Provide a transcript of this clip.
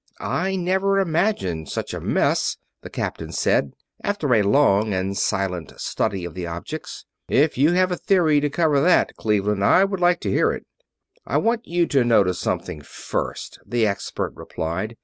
"I never imagined such a mess," the captain said, after a long and silent study of the objects. "If you have a theory to cover that, Cleveland, I would like to hear it!" "I want you to notice something first," the expert replied.